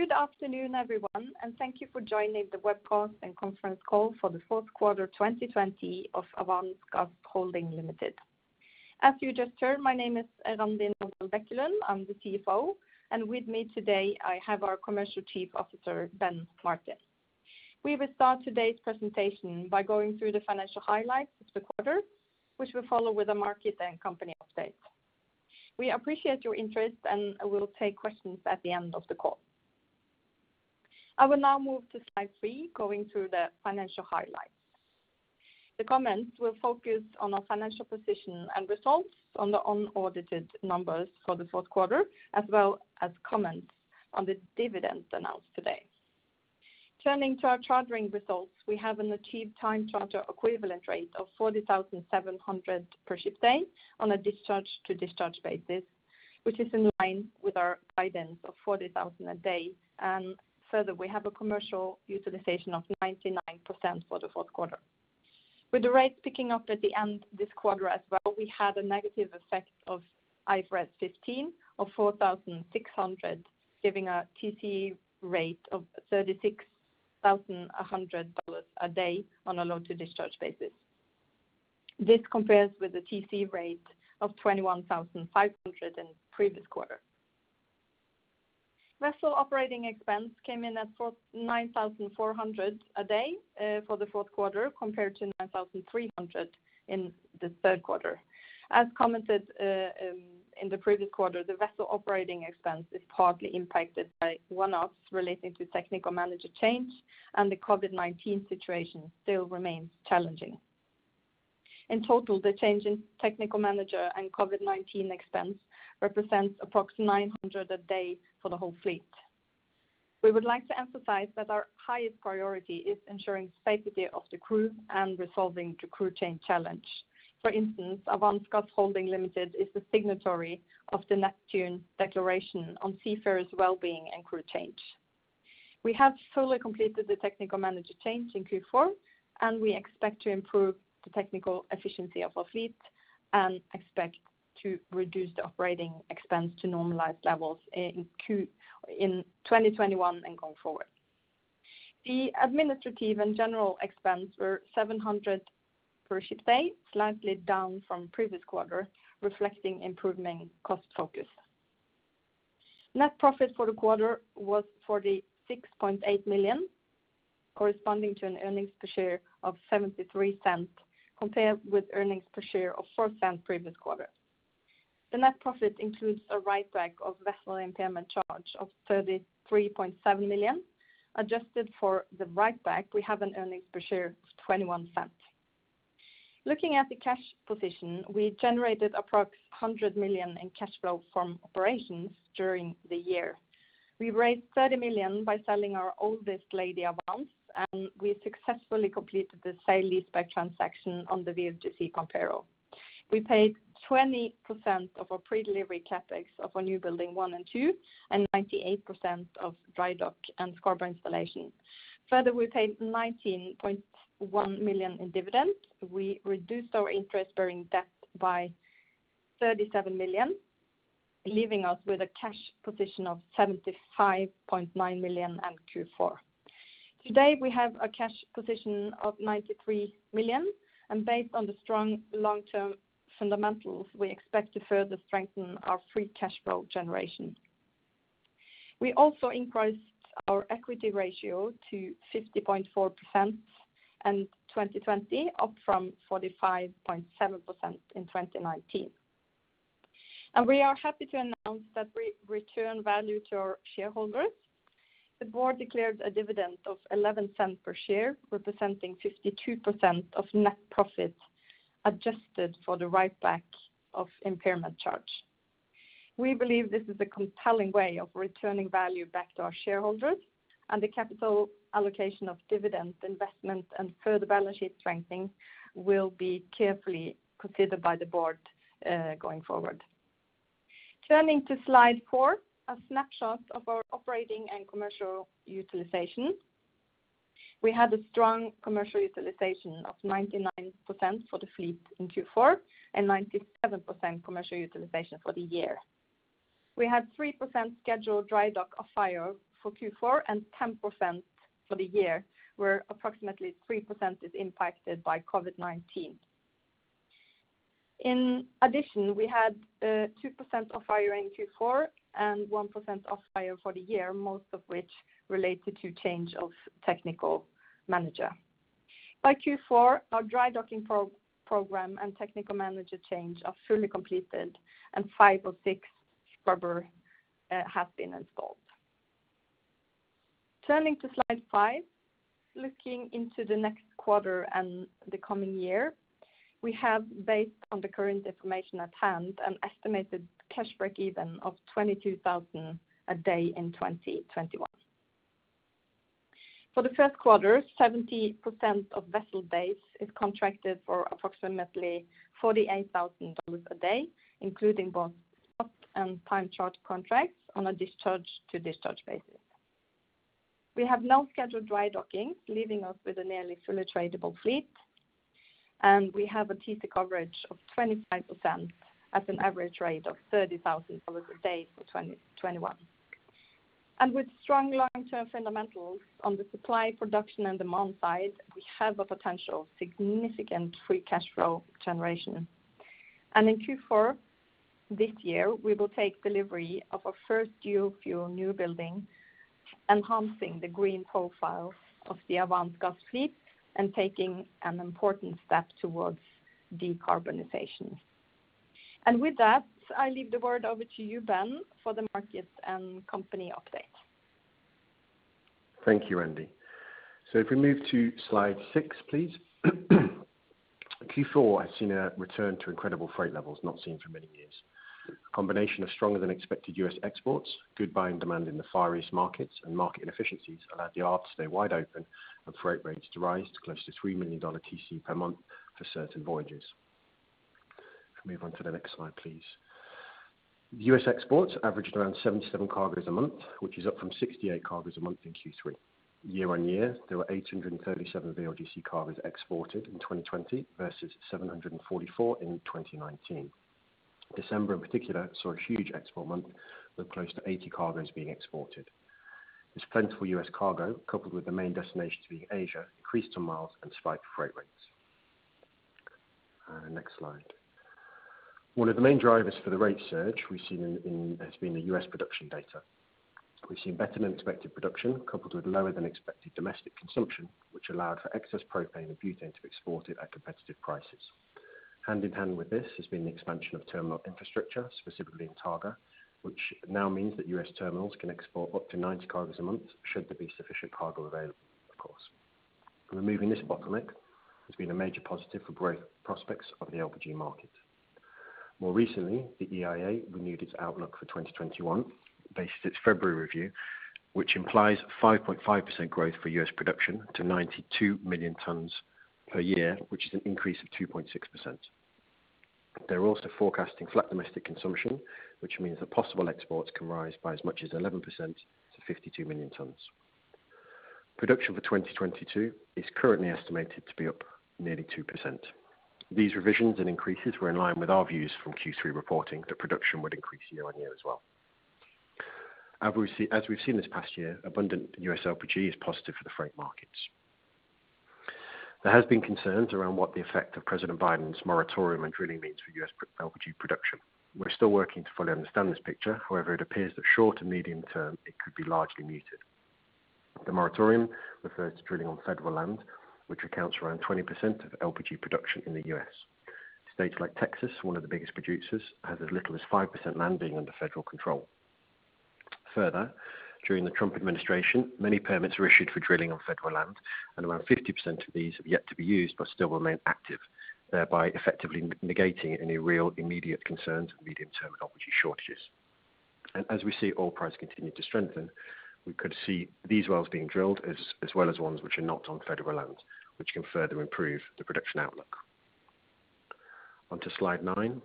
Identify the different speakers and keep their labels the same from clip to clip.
Speaker 1: Good afternoon, everyone. Thank you for joining the webcast and conference call for the fourth quarter 2020 of Avance Gas Holding Ltd. As you just heard, my name is Randi Navdal Bekkelund. I'm the CFO, and with me today, I have our Chief Commercial Officer, Ben Martin. We will start today's presentation by going through the financial highlights of the quarter, which will follow with a market and company update. We appreciate your interest and will take questions at the end of the call. I will now move to slide three, going through the financial highlights. The comments will focus on our financial position and results on the unaudited numbers for the fourth quarter, as well as comments on the dividend announced today. Turning to our chartering results, we have an achieved time charter equivalent rate of $40,700 per ship day on a discharge-to-discharge basis, which is in line with our guidance of $40,000 a day. Further, we have a commercial utilization of 99% for the fourth quarter. With the rates picking up at the end this quarter as well, we had a negative effect of IFRS 15 of $4,600, giving a TC rate of $36,100 a day on a load-to-discharge basis. This compares with the TC rate of $21,500 in the previous quarter. Vessel operating expense came in at $9,400 a day for the fourth quarter, compared to $9,300 in the third quarter. As commented in the previous quarter, the vessel operating expense is partly impacted by one-offs relating to technical manager change, and the COVID-19 situation still remains challenging. In total, the change in technical manager and COVID-19 expense represents approx $900 a day for the whole fleet. We would like to emphasize that our highest priority is ensuring safety of the crew and resolving the crew change challenge. For instance, Avance Gas Holding Limited is the signatory of the Neptune Declaration on Seafarer Wellbeing and Crew Change. We have fully completed the technical manager change in Q4, and we expect to improve the technical efficiency of our fleet and expect to reduce the operating expense to normalized levels in 2021 and going forward. The administrative and general expense were $700 per ship day, slightly down from previous quarter, reflecting improving cost focus. Net profit for the quarter was $46.8 million, corresponding to an earnings per share of $0.73, compared with earnings per share of $0.04 previous quarter. The net profit includes a write-back of vessel impairment charge of 33.7 million. Adjusted for the write-back, we have an earnings per share of $0.21. Looking at the cash position, we generated approximately $100 million in cash flow from operations during the year. We raised $30 million by selling our oldest lady Avance, and we successfully completed the sale-leaseback transaction on the VLGC Pampero. We paid 20% of our pre-delivery CapEx of our new building 1 and 2 and 98% of dry dock and scrubber installation. Further, we paid $19.1 million in dividends. We reduced our interest-bearing debt by $37 million, leaving us with a cash position of $75.9 million in Q4. Today, we have a cash position of $93 million, and based on the strong long-term fundamentals, we expect to further strengthen our free cash flow generation. We also increased our equity ratio to 50.4% in 2020, up from 45.7% in 2019. We are happy to announce that we return value to our shareholders. The board declared a dividend of $0.11 per share, representing 52% of net profit, adjusted for the write-back of impairment charge. We believe this is a compelling way of returning value back to our shareholders. The capital allocation of dividend investment and further balance sheet strengthening will be carefully considered by the board, going forward. Turning to slide four, a snapshot of our operating and commercial utilization. We had a strong commercial utilization of 99% for the fleet in Q4 and 97% commercial utilization for the year. We had 3% scheduled dry dock off-hire for Q4 and 10% for the year, where approximately 3% is impacted by COVID-19. In addition, we had 2% off-hire in Q4 and 1% off-hire for the year, most of which related to change of technical manager. By Q4, our dry docking program and technical manager change are fully completed and five of six scrubbers have been installed. Turning to slide five, looking into the next quarter and the coming year. We have, based on the current information at hand, an estimated cash breakeven of $22,000 a day in 2021. For the first quarter, 70% of vessel days is contracted for approximately $48,000 a day, including both spot and time charter contracts on a discharge-to-discharge basis. We have no scheduled dry dockings, leaving us with a nearly fully tradable fleet, and we have a TC coverage of 25% at an average rate of $30,000 a day for 2021. With strong long-term fundamentals on the supply, production, and demand side, we have a potential significant free cash flow generation. In Q4 this year, we will take delivery of our first dual fuel new building, enhancing the green profile of the Avance Gas fleet and taking an important step towards decarbonization. With that, I leave the word over to you, Ben, for the market and company update.
Speaker 2: Thank you, Randi. If we move to slide six, please. Q4 has seen a return to incredible freight levels not seen for many years. A combination of stronger than expected U.S. exports, good buying demand in the Far East markets, and market inefficiencies allowed the arb to stay wide open and freight rates to rise to close to $3 million TC per month for certain voyages. If we move on to the next slide, please. The U.S. exports averaged around 77 cargoes a month, which is up from 68 cargoes a month in Q3. Year-on-year, there were 837 VLGC cargoes exported in 2020 versus 744 in 2019. December in particular saw a huge export month, with close to 80 cargoes being exported. This plentiful U.S. cargo, coupled with the main destination to be Asia, increased ton-miles and spiked freight rates. Next slide. One of the main drivers for the rate surge we've seen has been the U.S. production data. We've seen better than expected production coupled with lower than expected domestic consumption, which allowed for excess propane and butane to be exported at competitive prices. Hand-in-hand with this has been the expansion of terminal infrastructure, specifically in Targa, which now means that U.S. terminals can export up to 90 cargoes a month, should there be sufficient cargo available, of course. Removing this bottleneck has been a major positive for growth prospects of the LPG market. More recently, the EIA renewed its outlook for 2021 based on its February review, which implies 5.5% growth for U.S. production to 92 million tons per year, which is an increase of 2.6%. They're also forecasting flat domestic consumption, which means that possible exports can rise by as much as 11% to 52 million tons. Production for 2022 is currently estimated to be up nearly 2%. These revisions and increases were in line with our views from Q3 reporting that production would increase year-on-year as well. As we've seen this past year, abundant U.S. LPG is positive for the freight markets. There has been concerns around what the effect of President Biden's moratorium on drilling means for U.S. LPG production. We're still working to fully understand this picture. However, it appears that short and medium term, it could be largely muted. The moratorium refers to drilling on federal land, which accounts around 20% of LPG production in the U.S. States like Texas, one of the biggest producers, has as little as 5% land being under federal control. Further, during the Trump administration, many permits were issued for drilling on federal land, and around 50% of these have yet to be used but still remain active, thereby effectively negating any real immediate concerns of medium-term LPG shortages. As we see oil price continue to strengthen, we could see these wells being drilled as well as ones which are not on federal land, which can further improve the production outlook. On to slide nine.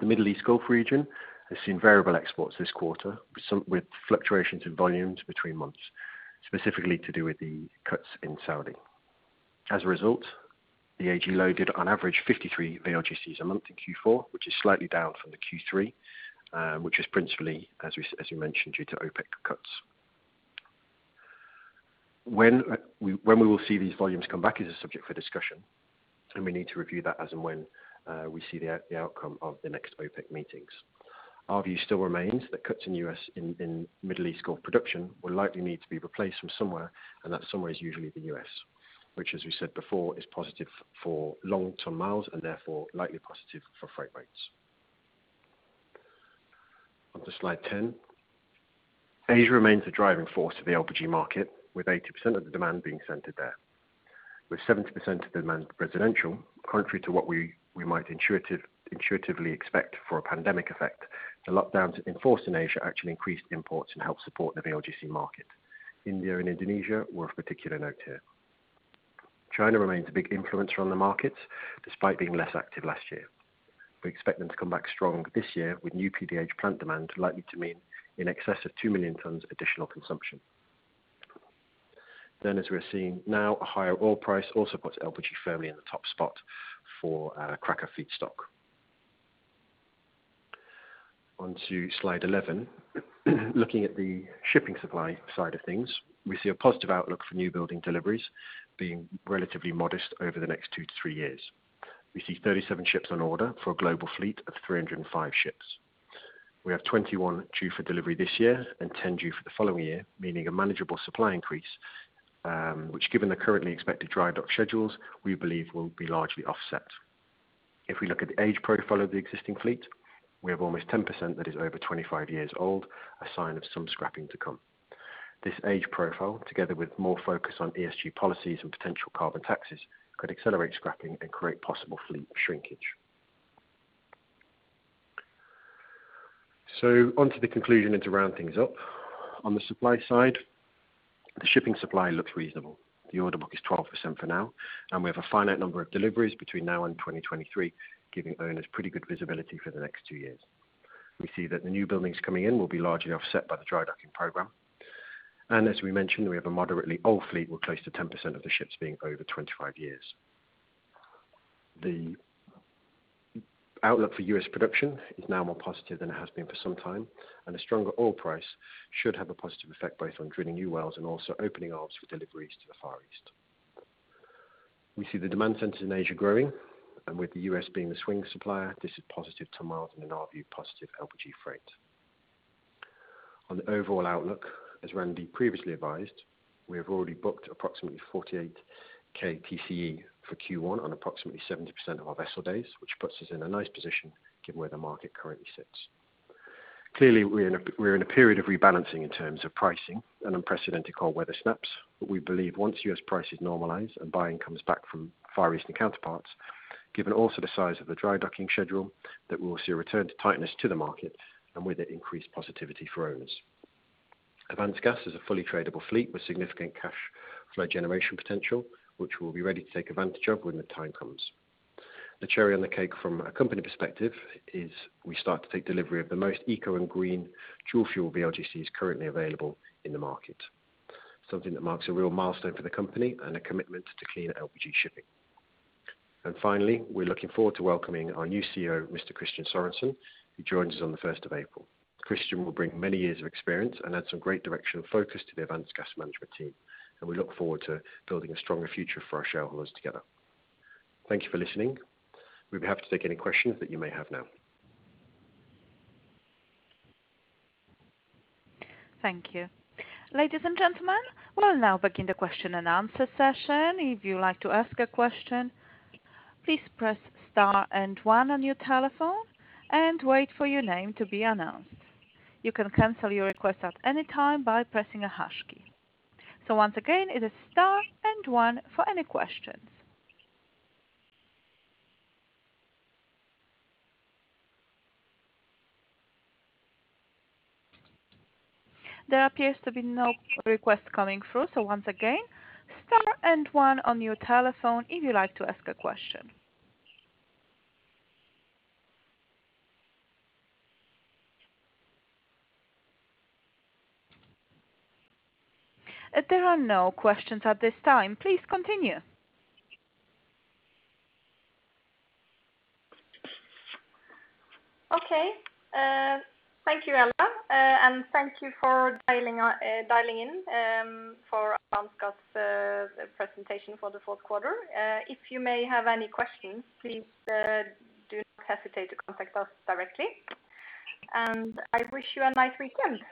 Speaker 2: The Middle East Gulf region has seen variable exports this quarter with fluctuations in volumes between months, specifically to do with the cuts in Saudi. As a result, the AG loaded on average 53 VLGCs a month in Q4, which is slightly down from the Q3, which is principally, as we mentioned, due to OPEC cuts. When we will see these volumes come back is a subject for discussion, and we need to review that as and when we see the outcome of the next OPEC meetings. Our view still remains that cuts in Middle East Gulf production will likely need to be replaced from somewhere, and that somewhere is usually the U.S., which as we said before, is positive for ton-miles and therefore likely positive for freight rates. On to slide 10. Asia remains the driving force of the LPG market, with 80% of the demand being centered there. With 70% of demand residential, contrary to what we might intuitively expect for a pandemic effect, the lockdowns enforced in Asia actually increased imports and helped support the VLGC market. India and Indonesia were of particular note here. China remains a big influencer on the markets despite being less active last year. We expect them to come back strong this year with new PDH plant demand likely to mean in excess of 2 million tons additional consumption. As we are seeing now, a higher oil price also puts LPG firmly in the top spot for cracker feedstock. On to slide 11. Looking at the shipping supply side of things, we see a positive outlook for new building deliveries being relatively modest over the next two to three years. We see 37 ships on order for a global fleet of 305 ships. We have 21 due for delivery this year and 10 due for the following year, meaning a manageable supply increase, which given the currently expected dry dock schedules, we believe will be largely offset. If we look at the age profile of the existing fleet, we have almost 10% that is over 25 years old, a sign of some scrapping to come. This age profile, together with more focus on ESG policies and potential carbon taxes, could accelerate scrapping and create possible fleet shrinkage. On to the conclusion and to round things up. On the supply side, the shipping supply looks reasonable. The order book is 12% for now, and we have a finite number of deliveries between now and 2023, giving owners pretty good visibility for the next two years. We see that the new buildings coming in will be largely offset by the dry docking program. As we mentioned, we have a moderately old fleet, with close to 10% of the ships being over 25 years. The outlook for U.S. production is now more positive than it has been for some time, and a stronger oil price should have a positive effect, both on drilling new wells and also opening arb for deliveries to the Far East. We see the demand center in Asia growing, and with the U.S. being the swing supplier, this is positive to miles and in our view, positive LPG freight. On the overall outlook, as Randi previously advised, we have already booked approximately 48k TCE for Q1 on approximately 70% of our vessel days, which puts us in a nice position given where the market currently sits. Clearly, we are in a period of rebalancing in terms of pricing and unprecedented cold weather snaps, but we believe once U.S. prices normalize and buying comes back from Far Eastern counterparts, given also the size of the dry docking schedule, that we will see a return to tightness to the market and with it, increased positivity for owners. Avance Gas is a fully tradable fleet with significant cash flow generation potential, which we will be ready to take advantage of when the time comes. The cherry on the cake from a company perspective is we start to take delivery of the most eco and green dual fuel VLGCs currently available in the market. Something that marks a real milestone for the company and a commitment to clean LPG shipping. Finally, we are looking forward to welcoming our new CEO, Mr. Kristian Sørensen, who joins us on the 1st of April. Kristian will bring many years of experience and add some great direction and focus to the Avance Gas management team. We look forward to building a stronger future for our shareholders together. Thank you for listening. We would be happy to take any questions that you may have now.
Speaker 3: Thank you. Ladies and gentlemen, we will now begin the question and answer session. If you would like to ask a question, please press star and one on your telephone and wait for your name to be announced. You can cancel your request at any time by pressing a hash key. Once again, it is star and one for any questions. There appears to be no requests coming through. Once again, star and one on your telephone if you'd like to ask a question. There are no questions at this time. Please continue.
Speaker 1: Okay. Thank you, Ella, and thank you for dialing in for Avance Gas presentation for the fourth quarter. If you may have any questions, please do not hesitate to contact us directly, and I wish you a nice weekend.